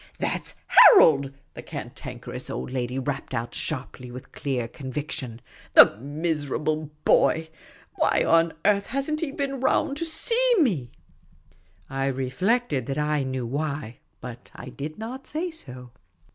" That 's Harold !" the Cantankerous Old Lady rapped out sharply, with clear conviction. " The miserable boy I Why on earth has n't he been round to see me ?" I reflected that I knew why ; but I did not say so.